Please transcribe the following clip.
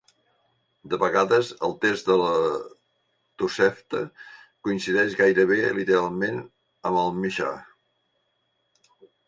De vegades, el text de la Tosefta coincideix gairebé literalment amb el Mishnah.